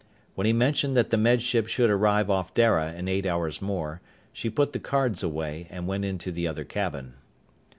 When he mentioned that the Med Ship should arrive off Dara in eight hours more, she put the cards away and went into the other cabin.